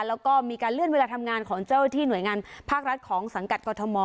แล้วก็มีการเลื่อนเวลาทำงานของเจ้าที่หน่วยงานภาครัฐของสังกัดกรทม